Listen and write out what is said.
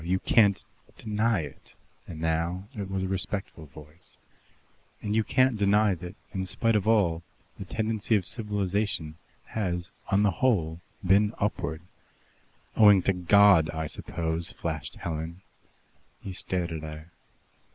You can't deny it" (and now it was a respectful voice) "and you can't deny that, in spite of all, the tendency of civilization has on the whole been upward." "Owing to God, I suppose," flashed Helen. He stared at her.